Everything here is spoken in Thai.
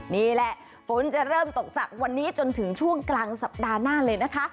นี่แหละฝนจะเริ่มตกจากวันนี้จนถึงช่วงกลางสัปดาห์หน้าเลยนะคะ